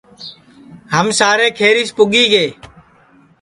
ہم سارے کھیریس پُگی گے